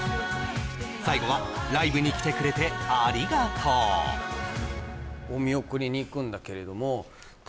最後はライブに来てくれてありがとうと思うんですよ